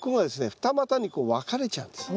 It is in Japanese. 二股にこう分かれちゃうんです。